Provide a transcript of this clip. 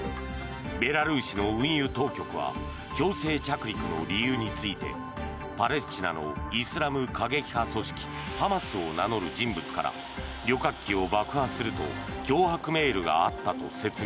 ベラルーシの運輸当局は強制着陸の理由についてパレスチナのイスラム過激派組織ハマスを名乗る人物から旅客機を爆破すると脅迫メールがあったと説明。